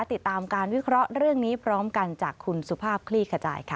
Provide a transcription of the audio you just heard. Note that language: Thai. ติดตามการวิเคราะห์เรื่องนี้พร้อมกันจากคุณสุภาพคลี่ขจายค่ะ